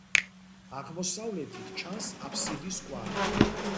აღმოსავლეთით ჩანს აფსიდის კვალი.